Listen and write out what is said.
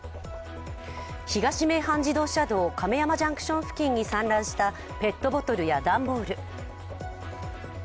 東名阪自動車道・亀山ジャンクション付近に散乱したペットボトルや段ボール。